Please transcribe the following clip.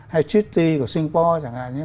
hay chutee của singapore chẳng hạn